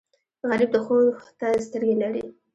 غریب د ښو ته سترګې لري